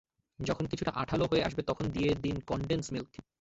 যখন কিছুটা আঁঠালো হয়ে আসবে তখন দিয়ে দিন কনডেন্স মিল্ক।